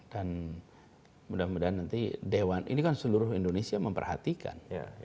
dan mudah mudahan nanti dewan ini kan seluruh indonesia memperhatikan